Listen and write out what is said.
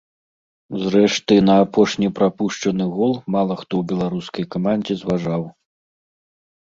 Зрэшты, на апошні прапушчаны гол мала хто ў беларускай камандзе зважаў.